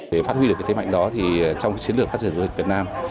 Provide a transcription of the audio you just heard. để phát huy được cái thế mạnh đó thì trong chiến lược phát triển du lịch việt nam